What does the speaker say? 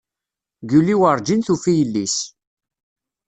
Guli werǧin tufi yelli-s.